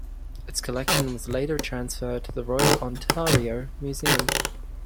Its collection was later transferred to the Royal Ontario Museum.